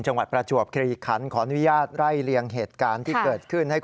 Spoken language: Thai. จังหวัดประจวบกรีกคันขออนุญาตไล่เรียงเหตุการณ์ที่เกิดขึ้น